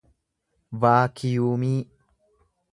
vaakiyuumii